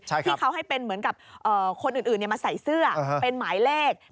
ที่เขาให้เป็นเหมือนกับคนอื่นมาใส่เสื้อเป็นหมายเลข